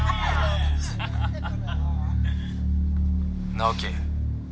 直樹